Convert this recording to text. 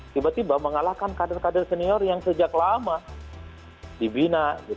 tiba tiba mengalahkan kader kader senior yang sejak lama dibina